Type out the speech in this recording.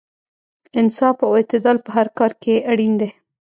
انصاف او اعتدال په هر کار کې اړین دی.